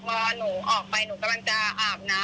พอหนูออกไปหนูกำลังจะอาบน้ำ